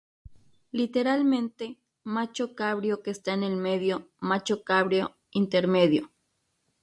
Literalmente, 'macho cabrío que está en el medio', 'macho cabrío intermedio'.